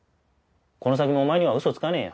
この先もお前には嘘つかねえよ。